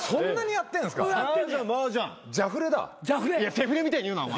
セフレみたいに言うなお前。